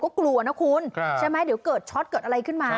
ก็กลัวนะคุณใช่ไหมเดี๋ยวเกิดช็อตเกิดอะไรขึ้นมา